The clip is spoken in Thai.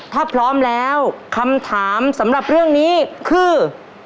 ถ้าพร้อมแล้วคำถามสำหรับเรื่องนี้คือ